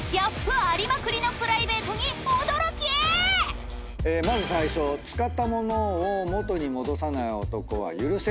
まず最初使ったものを元に戻さない男は許せる。